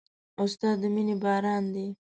استاد د مینې باران دی.